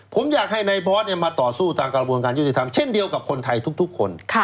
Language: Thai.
ผมอยากให้นายบอสมาต่อสู้ตามกระบวนการยุติธรรมเช่นเดียวกับคนไทยทุกคน